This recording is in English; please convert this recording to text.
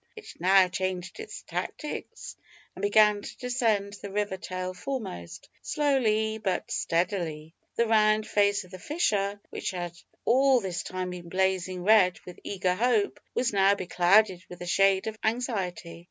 It now changed its tactics, and began to descend the river tail foremost, slowly, but steadily. The round face of the fisher, which had all this time been blazing red with eager hope, was now beclouded with a shade of anxiety.